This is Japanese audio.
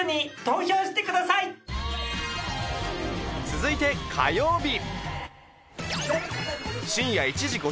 続いて火曜日。